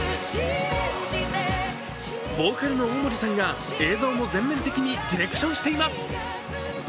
ボーカルの大森さんが映像も全面的にディレクションしています。